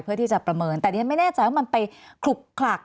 เพื่อที่จะประเมินแต่ดิฉันไม่แน่ใจว่ามันไปขลุกขลัก